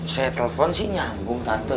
saya telepon sih nyambung tante